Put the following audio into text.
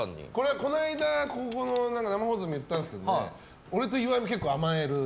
この間もここの生放送で言ったんですけど俺と岩井も結構甘える。